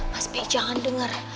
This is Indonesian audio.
mas pi jangan dengar